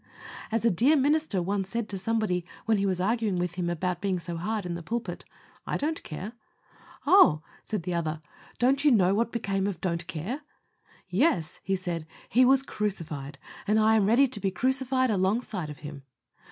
As a dear minister once said to somebody, when he was arguing with him about being so hard in the pulpit, "I don't care." "Oh!" said the other, "Don't you know what became of 'Don't care?'" "Yes," he said, "He was crucified, and I am ready to be crucified alongside of him."